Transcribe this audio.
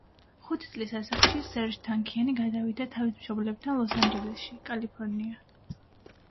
ხუთი წლის ასაკში სერჟ თანქიანი გადავიდა თავის მშობლებთან ლოს-ანჯელესში, კალიფორნია.